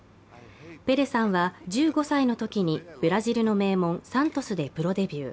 ペレさんは１５歳のときにブラジルの名門サントスでプロデビュー。